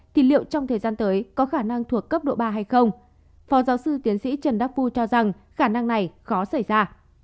thì liệu trong thời gian tới có khả năng thuộc cấp độ ba hay không phó giáo sư tiến sĩ trần đắc phu cho rằng khả năng này khó xảy ra